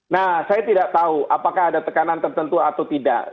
nah saya tidak tahu apakah ada tekanan tertentu atau tidak